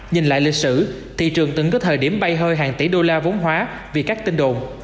nhìn lại lịch sử thị trường từng có thời điểm bay hơi hàng tỷ đô la vốn hóa vì các tin đồn